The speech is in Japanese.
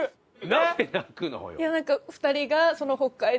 なんで泣くのよ？